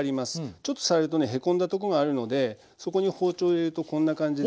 ちょっと触るとねへこんだとこがあるのでそこに包丁を入れるとこんな感じで。